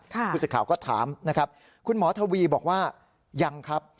ผู้สื่อข่าวก็ถามนะครับคุณหมอทวีบอกว่ายังครับ